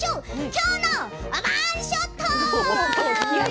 「きょうのワンショット」